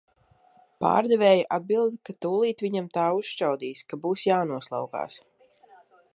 Pārdevēja atbild, ka tūlīt viņam tā uzšķaudīs, ka būs jānoslaukās.